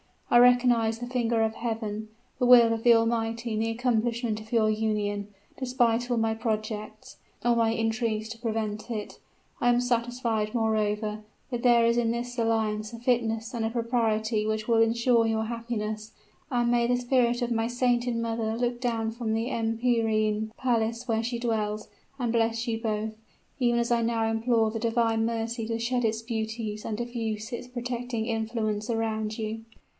I recognize the finger of Heaven the will of the Almighty in the accomplishment of your union, despite of all my projects, all my intrigues to prevent it. I am satisfied, moreover, that there is in this alliance a fitness and a propriety which will insure your happiness: and may the spirit of my sainted mother look down from the empyrean palace where she dwells, and bless you both, even as I now implore the divine mercy to shed its beauties and diffuse its protecting influence around you."